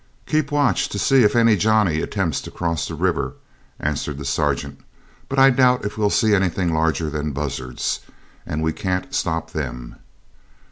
"Keep watch to see if any Johnny attempts to cross the river," answered the sergeant; "but I doubt if we see anything larger than buzzards, and we can't stop them."